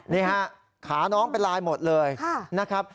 นี่ฮะขาน้องเป็นลายหมดเลยนะครับ